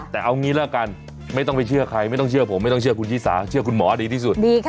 แต่เอางี้ละกันไม่ต้องไปเชื่อใครไม่ต้องเชื่อผมไม่ต้องเชื่อคุณชิสาเชื่อคุณหมอดีที่สุด